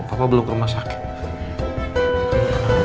apa belum ke rumah sakit